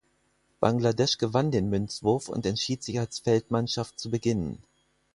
Bangladesch gewann den Münzwurf und entschied sich als Feldmannschaft zu beginnen.